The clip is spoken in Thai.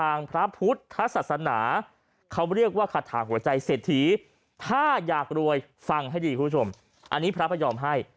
อันนี้พระพยอมให้